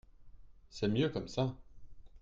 C’est mieux comme ça.